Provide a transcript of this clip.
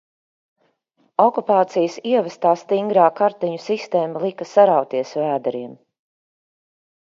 Okupācijas ievestā stingrā kartiņu sistēma lika sarauties vēderiem.